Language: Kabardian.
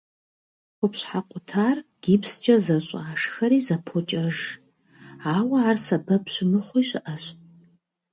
Къупщхьэ къутар гипскӏэ зэщӏашхэри зэпокӏэж, ауэ ар сэбэп щымыхъуи щыӏэщ.